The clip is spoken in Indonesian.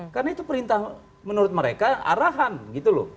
karena itu perintah menurut mereka arahan gitu loh